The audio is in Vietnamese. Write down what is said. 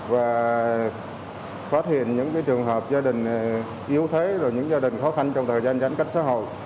và phát hiện những trường hợp gia đình yếu thế gia đình khó khăn trong thời gian giánh cách xã hội